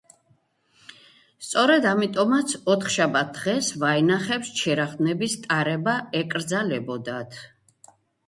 სწორედ ამიტომაც, ოთხშაბათ დღეს ვაინახებს ჩირაღდნების ტარება ეკრძალებოდათ.